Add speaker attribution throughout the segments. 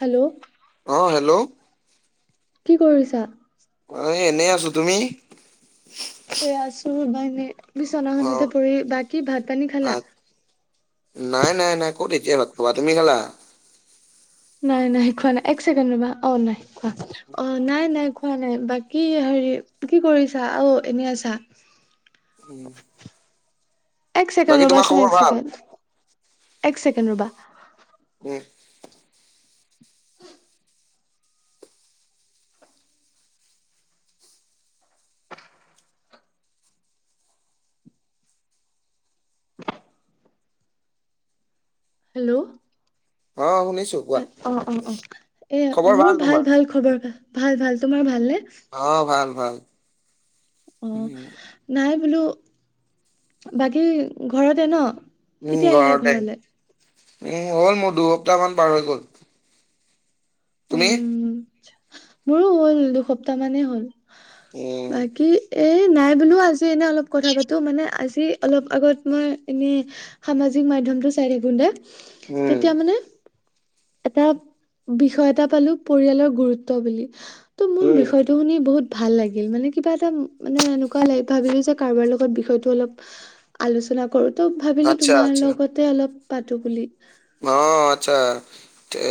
Speaker 1: Hello
Speaker 2: অ' hello.
Speaker 1: কি কৰিছা?
Speaker 2: অ' এনেই আছোঁ তুমি?
Speaker 1: এ আছোঁ ৰবা এনে
Speaker 2: অ
Speaker 1: বিচনাখনতে পৰি, বাকী ভাত পানী খালাঁ?
Speaker 2: নাই-নাই-নাই ক'ত এতিয়া ভাত খাবা। তুমি খালাঁ?
Speaker 1: নাই-নাই খোৱা নাই, এক ছেকেণ্ড ৰ'বা অ' নাই খোৱা। অ' নাই-নাই খোৱা নাই, বাকী হেৰি কি কৰিছা অ' এনে আছাঁ।
Speaker 2: উম।
Speaker 1: এক
Speaker 2: বাকী
Speaker 1: ছেকেণ্ড
Speaker 2: তোমাৰ
Speaker 1: ৰ'বাচোন
Speaker 2: খবৰ
Speaker 1: এক
Speaker 2: ভাল
Speaker 1: ছেকেণ্ড এক ছেকেণ্ড ৰ'বা।
Speaker 2: ওম।
Speaker 1: হেল্ল'।
Speaker 2: অ' শুনিছোঁ।
Speaker 1: অ'-অ'-অ' এ
Speaker 2: ভাল
Speaker 1: মোৰ
Speaker 2: তোমাৰ
Speaker 1: ভাল-ভাল খবৰ ভাল-ভাল তোমাৰ ভাল নে?
Speaker 2: অ' ভাল-ভাল।
Speaker 1: অ', নাই বোলো বাকী ঘৰতে ন'?
Speaker 2: উম
Speaker 1: কেতিয়া আহিলা
Speaker 2: ঘৰতে
Speaker 1: ঘৰলে?
Speaker 2: উম হ'ল মোৰ দুসপ্তাহ মান পাৰ হৈ গ'ল।
Speaker 1: উম
Speaker 2: তুমি
Speaker 1: মোৰো হ'ল দুসপ্তাহ মানেই হ'ল।
Speaker 2: উম।
Speaker 1: বাকী, এ নাই বোলো আজি এনে অলপ কথা পাতো, মানে আজি অলপ আগত মই এনেই সামাজিক মাধ্যমটো চাই থাকোঁতে
Speaker 2: উম
Speaker 1: তেতিয়া মানে এটা বিষয়ত এটা পালো পৰিয়ালৰ গুৰুত্ব বুলি ত' মোৰ
Speaker 2: উম
Speaker 1: বিষয়টো শুনি বহুত ভাল লাগিল মানে কিবা এটা মানে এনেকুৱা ভাবিলো যে কাৰোবাৰ লগত বিষয়টো অলপ আলোচনা কৰো তো ভাবিলো
Speaker 2: আচ্ছা
Speaker 1: তোমাৰ
Speaker 2: আচ্ছা
Speaker 1: লগতে অলপ পাতো বুলি।
Speaker 2: অ আতচ্ছা। এ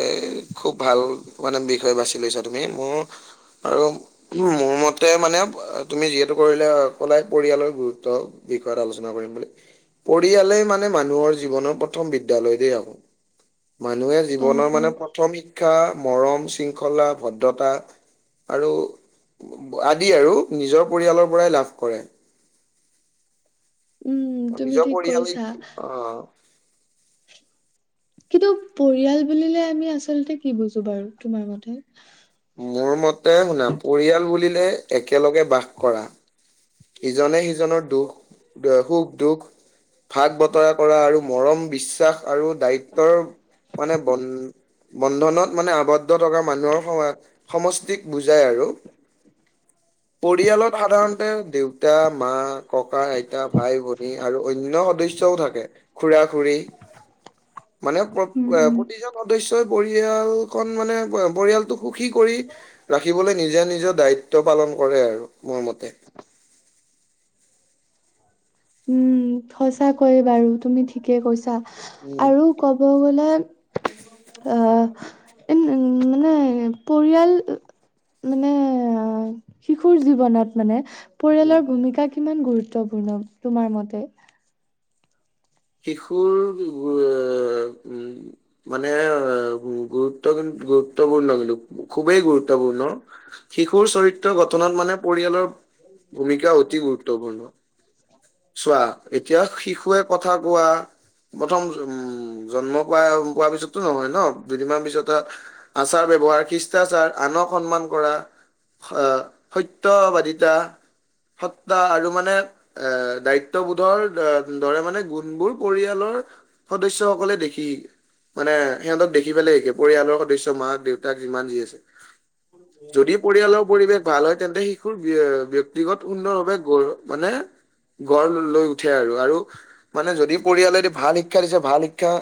Speaker 2: খুব ভাল মানে বিষয় বাছি লৈছা তুমি মোৰ আৰু উ মোৰ মতে মানে তুমি যিহেতু কৰিলে কলাই পৰিয়ালৰ গুৰুত্ব বিষয়ত আলোচনা কৰিম বুলি পৰিয়ালে মানে মানুহৰ জীৱনৰ প্ৰথম বিদ্যালয়তে আকৌ মানুহে
Speaker 1: অ',
Speaker 2: জীৱনৰ
Speaker 1: অ',
Speaker 2: মানে প্ৰথম শিক্ষা মৰম, শৃংখলা, ভদ্ৰতা আৰু আদি আৰু নিজৰ পৰিয়ালৰ পৰাই লাভ কৰে।
Speaker 1: উম, তুমি
Speaker 2: নিজৰ
Speaker 1: ঠিক
Speaker 2: পৰিয়ালে
Speaker 1: কৈছা।
Speaker 2: অ',
Speaker 1: কিন্তু পৰিয়াল বুলিলে আমি আচলতে কি বুজো বাৰু তোমাৰ মতে?
Speaker 2: মোৰ মতে শুনা, পৰিয়াল বুলিলে একেলগে বাস কৰা। ইজনে সিজনৰ দুখ, সুখ-দুখ ভাগ বতৰা কৰা আৰু মৰম, বিশ্বাস আৰু দায়িত্বৰ মানে বন বন্ধনত মানে আবদ্ধ থকা মানুহৰ সম সমষ্টিক বুজাই আৰু। পৰিয়ালত সাধাৰণতে, দেউতা, মা, ককা, আইতা, ভাই-ভনী আৰু অন্য সদস্যও থাকে। খুৰা, খুৰী মানে
Speaker 1: উম, উম,
Speaker 2: প্ৰতিজন সদস্যই পৰিয়াল খন মানে পৰিয়ালটোক সুখী কৰি, ৰাখিবলৈ নিজে নিজৰ দায়িত্ব পালন কৰে আৰু মোৰ মতে।
Speaker 1: উম, সঁচা কৈয়ে বাৰু তুমি ঠিকে কৈছা।
Speaker 2: উম'।
Speaker 1: ক'ব গ'লে অহ, উম' মানে পৰিয়াল মানে অ শিশুৰ জীৱনত মানে
Speaker 2: উম
Speaker 1: পৰিয়ালৰ ভূমিকা কিমান গুৰুত্বপূৰ্ণ তোমাৰ মতে?
Speaker 2: শিশুৰ এ উম,
Speaker 1: অ [inaudible] [unintelligible]
Speaker 2: মানে গুৰুত্ব কিন্তু গুৰুত্বপূৰ্ণ কিন্তু খুবেই গুৰুত্বপূৰ্ণ। শিশুৰ চৰিত্ৰ গঠনত মানে পৰিয়ালৰ ভূমিকা অতি গুৰুত্বপূৰ্ণ, চোৱা এতিয়া শিশুৱে কথা কথা কোৱা প্ৰথম উম জন্ম পোৱা, পিছতো নহয় ন দুদিনমান পিছত, আচাৰ ব্যৱহাৰ, শিষ্টাচাৰ আনক সন্মান কৰা আ সত্যবাদিতা, সত্তা আৰু মানে এ দায়িত্ববোধৰ দৰে মানে গুণবোৰ পৰিয়ালৰ সদস্য সকলে দেখি মানে সিহঁতক দেখি পেলাই শিকে, পৰিয়ালৰ সদস্য মাক, দেউতাক যিমান যি আছে। যদি পৰিয়ালৰ পৰিৱেশ ভাল হয়, তেন্তে শিশুৰ ব্যয় ব্যক্তিগত সুন্দৰ ভাৱে গ মানে গঢ় লৈ উঠে আৰু, আৰু মানে যদি পৰিয়ালে ভাল শিক্ষা দিছে, ভাল শিক্ষা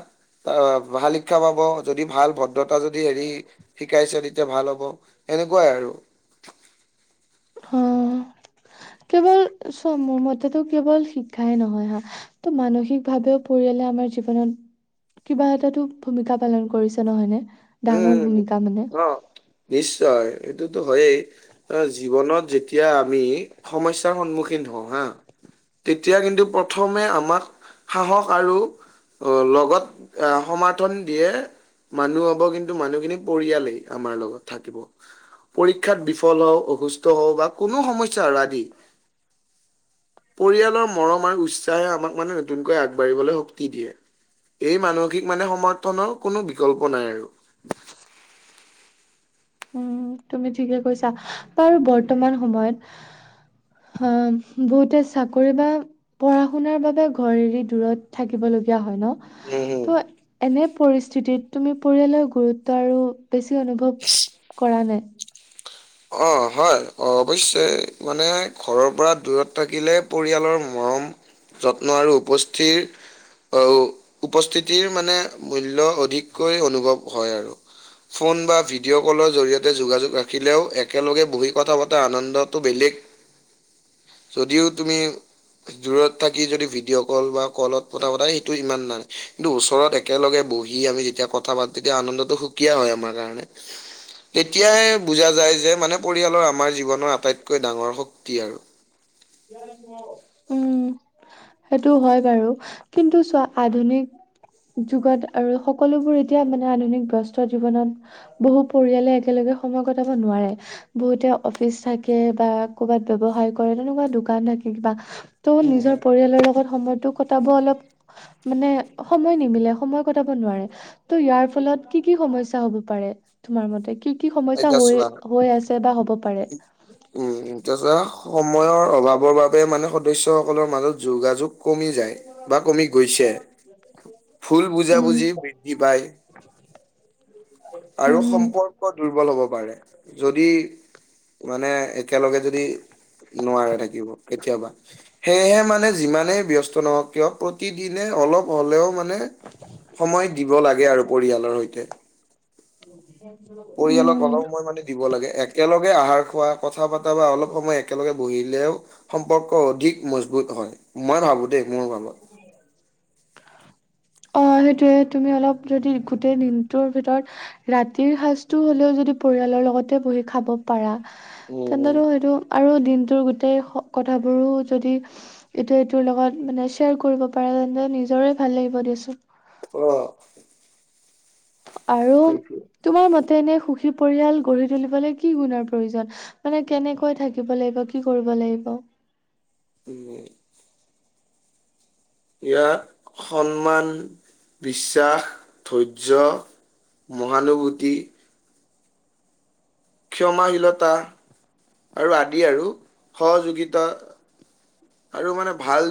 Speaker 2: ভাল শিক্ষা পাব, যদি ভাল ভ দ্ৰতা যদি হেৰি শিকাইছে তেতিয়া ভাল হ'ব, এনেকুৱাই আৰু
Speaker 1: অ, কেৱল চ মোৰ মতেতো কেৱল শিক্ষাই নহয় হা ত' মানসিকভাৱেও পৰিয়ালে আমাৰ জীৱনত কিবা এটাতো ভূমিকা পালন কৰিছে নহয়নে? ডাঙৰ ভূমিকা মানে
Speaker 2: উম অ নিশ্চয় এইটোতো হয়েই। অ জীৱনত যেতিয়া আমি সমস্যাৰ সন্মুখীন হওঁ হা। তেতিয়া কিন্তু প্ৰথমে আমাক সাহস আৰু অ লগত আহ সমৰ্থন দিয়ে মানুহ কিন্তু মানুহখিনি পৰিয়ালেই আমাৰ লগত থাকিব। পৰীক্ষাত বিফল হওঁ, অসুস্থ হওঁ, বা কোনো সমস্যা আৰাদি, পৰিয়ালৰ মৰম আৰু উৎসাহে আমাক মানে নতুনকৈ আগবাঢ়িবলৈ শক্তি দিয়ে। এই মানসিক মানে সমৰ্থনৰ কোনো বিকল্প নাই আৰু।
Speaker 1: উম' তুমি ঠিকে কৈছা, বাৰু বৰ্তমান সময়ত, অ বহুতে চাকৰি বা, পঢ়া-শুনাৰ বাবে ঘৰ এৰি দূৰত থাকিব লগীয়া হয় ন।
Speaker 2: উম হম
Speaker 1: ত এনে পৰিস্থিতিত তুমি পৰিয়ালৰ গুৰুত্ব আৰু বেছি অনুভৱ কৰা নাই।
Speaker 2: অ হয় অ অৱশ্যে মানে ঘৰৰ পৰা দূৰত থাকিলে পৰিয়ালৰ মৰম যত্ন আৰু উপস্থিৰ আও উপস্থিতিৰ মানে মূল্য অধিককৈ অনুভৱ হয় আৰু। ফোন বা ভিডিঅ' কলৰ জৰিয়তে যোগাযোগ ৰাখিলেও একেলগে বহি কথা পতা আনন্দতটো বেলেগ। যদিও তুমি দূৰত থাকি যদি ভিডিঅ' কল বা কলত পতা পতাই সেইটো ইমান নাই। কিন্তু ওচৰত একেলগে বহি আমি যেতিয়া কথা পাতো তেতিয়া আনন্দটো সুকীয়া হয় আমাৰ কাৰণে এতিয়াই বুজা যায় যে মানে পৰিয়ালৰ আমাৰ জীৱনৰ আটাইতকৈ ডাঙৰ শক্তি আৰু।
Speaker 1: [unintelligible] সেইটো হয় বাৰু কিন্তু চোৱা আধুনিক যুগত আৰু সকলোবোৰ এতিয়া মানে আধুনিক বস্ত জীৱনত বহু পৰিয়ালে একেলগে সময় কটাব নোৱাৰে বহুতে অফিচ থাকে বা কৰ'বাত ব্যৱসায় কৰে তেনেকুৱা দোকান থাকে কিবা ত'
Speaker 2: উম, উম।
Speaker 1: নিজৰ পৰিয়ালৰ লগত সময়টো কটাব অলপ মানে সময় নিমিলে সময় কটাব নোৱাৰে ত' ইয়াৰ ফলত কি কি সমস্যা হব পাৰে তোমাৰ মতে কি কি সমস্যা
Speaker 2: এতিয়া
Speaker 1: হৈ
Speaker 2: চোৱা
Speaker 1: হৈ আছে বা হ'ব পাৰে।
Speaker 2: উম তাছ সময়ৰ অভাৱৰ বাবে মানে সদস্য সকলৰ মাজত যোগাযোগ কমি যায় বা কমি গৈছে। ফুল
Speaker 1: উম
Speaker 2: বুজাবুজি বৃদ্ধি পায়। আৰু
Speaker 1: উম উম।
Speaker 2: সম্পৰ্ক দুৰ্বল হব পাৰে যদি মানে একেলগে যদি নোৱাৰে থাকিব কেতিয়াবা সেয়েহে মানে যিমানে ব্যস্ত নহওক কিয় প্ৰতিদিনে অলপ হ'লেও মান- মানে সময় দিব লাগে আৰু পৰিয়ালৰ সৈতে
Speaker 1: [unintelligible]
Speaker 2: পৰিয়ালক অলপ সময় মানে দিব লাগে একেলগে আহাৰ খোৱা কথা পাতা বা অলপ সময় একেলগে বহিলেও সম্পৰ্ক অধিক মজবুত হয় মই ভাবো দেই মোৰ ভাৱত
Speaker 1: [unintelligible] অ সেইটোয়ে তুমি অলপ যদি গোটেই দিনটোৰ ভিতৰত ৰাতিৰ সাজতটো হ'লেও যদি পৰিয়ালৰ লগতে বহি খাব পাৰা। তেন্তে
Speaker 2: উম
Speaker 1: সেইটো আৰু দিনটোৰ গোটেই কথাবোৰো যদি এইটো এইটোৰ লগত মানে শ্বেয়াৰ কৰিব পাৰে তেন্তে নিজৰে ভাল লাগিব দিয়াচোন
Speaker 2: অ
Speaker 1: আৰু
Speaker 2: সেইটো
Speaker 1: তোমাৰ মতে এনে সুখী পৰিয়াল গঢ়ি তুলিবলৈ কি গুণৰ প্ৰয়োজন? মানে কেনেকৈ থাকিব লাগিব কি কৰিব লাগিব।
Speaker 2: [unintelligible] ইয়াত সন্মান, বিশ্বাস, ধৈৰ্য্য মহানুভূতি ক্ষমাশীলতা আৰু আদি আৰু সহযোগিতা আৰু মানে ভাল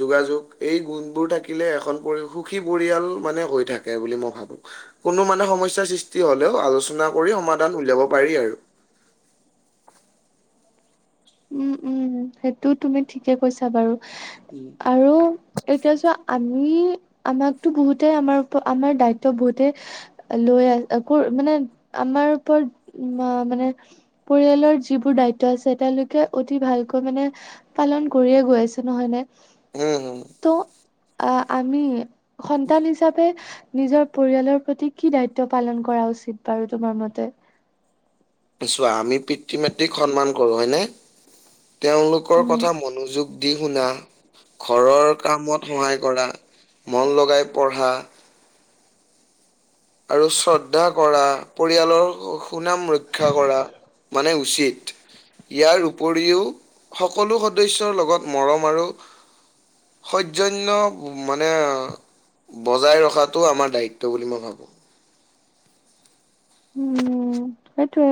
Speaker 2: যোগাযোগ এই গুণবোৰ থাকিলে এখন পৰি সুখী পৰিয়াল মানে হৈ থাকে থাকে বুলি মই ভাবো। কোনো মানুহ সমস্যাৰ সৃষ্টি হ'লেও আলোচনা কৰি সমাধান উলিয়াব পাৰি আৰু
Speaker 1: উম উম, সেইটো তুমি ঠিকে কৈছা বাৰু।
Speaker 2: উম
Speaker 1: আৰু এতিয়া চোৱা আমি আমাকতো বহুতে আমাৰ- আমাৰ দায়িত্ব বহুতে লৈ আ আকৌ মানে আমাৰ ওপৰত উম মানে পৰিয়ালৰ যিবোৰ দায়িত্ব আছে তেওঁলোকে অতি ভালকৈ মানে পালন কৰিয়ে গৈ আছে নহয়নে
Speaker 2: হম
Speaker 1: ত' আহ আমি সন্তান হিচাপে নিজৰ পৰিয়ালৰ প্ৰতি কি দায়িত্ব পালন কৰা উচিত বাৰু তোমাৰ মতে?
Speaker 2: চোৱা আমি পিতৃ-মাতৃক সন্মান কৰোঁ হয়নে, তেওঁলোকৰ
Speaker 1: উম
Speaker 2: কথা মনোযোগ দি শুনা, ঘৰৰ কামত সহায় কৰা, মন লগাই পঢ়া আৰু শ্ৰদ্ধা কৰা, পৰিয়ালৰ সুনাম ৰক্ষা কৰা মানে উচিত ইয়াৰ উপৰিও সকলো সদস্যৰ লগত মৰম আৰু সৈজন্য মানে বজাই ৰখাটো আমাৰ দায়িত্ব বুলি মই ভাবোঁ।
Speaker 1: উম, সেইটোৱে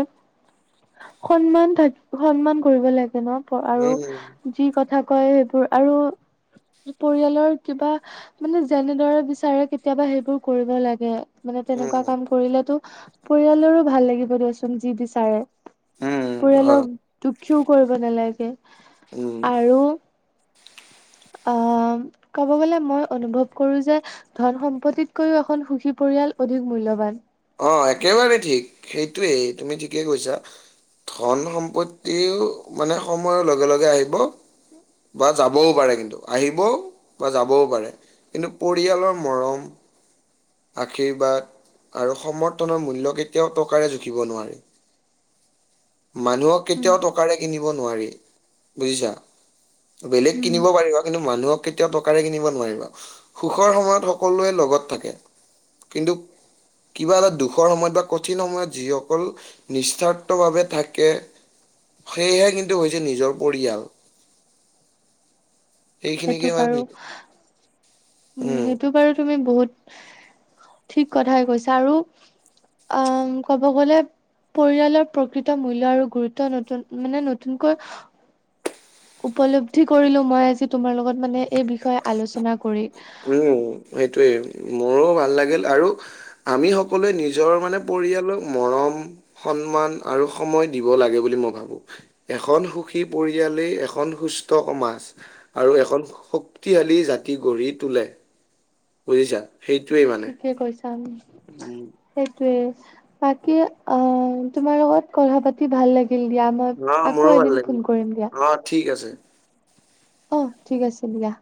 Speaker 1: সন্মান থাক সন্মান কৰিব লাগে ন' আৰু
Speaker 2: উম,
Speaker 1: যি কথা কয় সেইবোৰ আৰু পৰিয়ালৰ কিবা মানে যেনেদৰে বিচাৰে কেতিয়াবা সেইবোৰ কৰিব লাগে। মানে তেনেকুৱা
Speaker 2: উম,
Speaker 1: কাম কৰিলেতো পৰিয়ালৰো ভাল লাগিব দিয়চোন যি বিচাৰে।
Speaker 2: উম, হয়,
Speaker 1: পৰিয়ালক দুখীও কৰিব নালাগে
Speaker 2: উম।
Speaker 1: আৰু অ'ক'ব গলে মই অনুভৱ কৰোঁ যে ধন-সম্পত্তিতকৈও এখন সুখী পৰিয়াল অধিক মূল্যৱান।
Speaker 2: অ' একেবাৰে ঠিক সেইটোৱেই তুমি ঠিকেই কৈছা। ধন-সম্পত্তিও মানে সময়ৰ লগে-লগে আহিব বা যাবও পাৰে কিন্তু আহিবও বা যাবও পাৰে। কিন্তু পৰিয়ালৰ মৰম, আশীৰ্বাদ আৰু সমৰ্থনৰ মূল্য কেতিয়াও টকাৰে জুখিব নোৱাৰে। মানুহক
Speaker 1: উম
Speaker 2: কেতিয়াও টকাৰে কিনিব নোৱাৰি বুজিছা। বেলেগ
Speaker 1: উম
Speaker 2: কিনিব পাৰিবা কিন্তু মানুহক কে কেতিয়াও টকাৰে কিনিব নোৱাৰিবা, সুখৰ সময়ত সকলোৱে লগত থাকে কিন্তু কিবা এটা দুখৰ সময়ত বা কঠিন সময়ত যিসকল নিস্বাৰ্থভাৱে থাকে সেয়েহে কিন্তু হৈছে নিজৰ পৰিয়াল।
Speaker 1: [inaudible] সেইটো
Speaker 2: সেইখিনিকে
Speaker 1: বাৰু
Speaker 2: মানে
Speaker 1: উম
Speaker 2: উম
Speaker 1: সেইটো বাৰু তুমি বহুত ঠিক কথাই কৈছা আৰু অ' ক'ব গ'লে পৰিয়ালৰ প্ৰকৃত মূল্য আৰু গুৰুত্ব নতুন মানে নতুনকৈ উপলব্ধি কৰিলোঁ মই আজি তোমাৰ লগত মানে এই বিষয়ে আলোচনা কৰি।
Speaker 2: উম সেইটোৱেই মোৰো ভাল লাগিল আৰু আমি সকলোৱে নিজৰ মানে পৰিয়ালক মৰম, সন্মান আৰু সময় দিব লাগে বুলি মই ভাবোঁ। এখন সুখী পৰিয়ালেই এখন সুস্থ সমাজ। আৰু এখন শক্তিশালী জাতি গঢ়ি তোলে। বুজিছা সেইটোৱে মানে
Speaker 1: ঠিকে কৈছা। উম,
Speaker 2: উম
Speaker 1: সেইটোৱেই বাকী অ' তোমাৰ লগত কথা পাতি ভাল লাগি লাগিল দিয়া, মই
Speaker 2: অ' মোৰো
Speaker 1: আকৌ
Speaker 2: ভাল
Speaker 1: এদিন
Speaker 2: লাগিল।
Speaker 1: ফোন কৰিম দিয়া।
Speaker 2: অ' ঠিক আছে।
Speaker 1: অ' ঠিক আছে দিয়া।